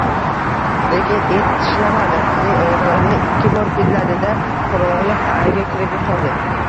Lekin it tishlamadi, qizning oyoqlarini ikki bor hidladi-da, qorongʻulik qaʼriga kirib yoʻqoldi